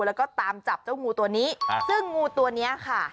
แล้วก็ตามจับเจ้างูตัวนี้ซึ่งงูตัวเนี้ยค่ะ